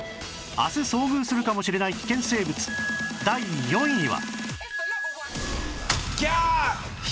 明日遭遇するかもしれない危険生物第４位は